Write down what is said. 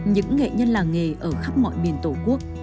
những nghệ nhân làng nghề ở khắp mọi miền tổ quốc